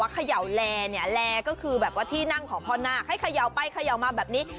ก็คือแบบว่าที่นั่งขอพ่อนาคให้เขย่าไปเขย่ามาแบบนี้